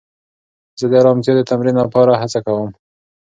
زه د ارامتیا د تمرین لپاره هڅه کوم.